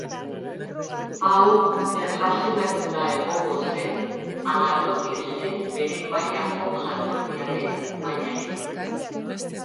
Hau erlazionatuta egongo zen Agatoklesen behe mailako jatorriaren mailarekin.